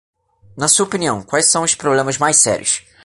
Na sua opinião, quais são os problemas mais sérios?